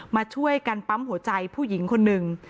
มาช่วยกันปั๊มหัวใจผู้หญิงคนหนึ่ง